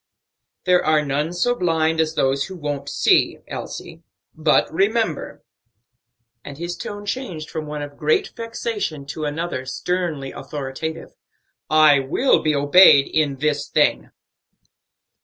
"There are none so blind as those that won't see, Elsie; but, remember" and his tone changed from one of great vexation to another sternly authoritative "I will be obeyed in this thing."